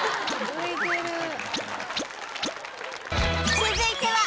続いては